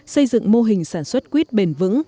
xây dựng mô hình sản xuất quýt bền vững